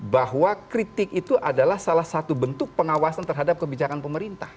bahwa kritik itu adalah salah satu bentuk pengawasan terhadap kebijakan pemerintah